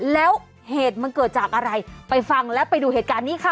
แล้วเหตุมันเกิดจากอะไรไปฟังแล้วไปดูเหตุการณ์นี้ค่ะ